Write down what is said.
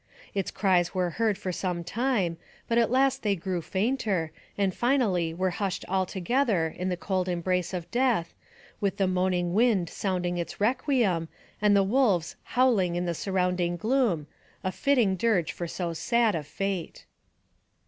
Its cries were heard for some time, but at last they grew fainter, and finally were hushed altogether in the cold embrace of death, with the moaning wind sounding its requiem, and the wolves howling in the surrounding gloom, a fitting dirge for so sad a fate.